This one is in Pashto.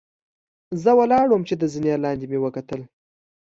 زۀ ولاړ ووم چې د زنې لاندې مې وکتل